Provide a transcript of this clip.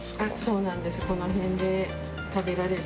そうなんです。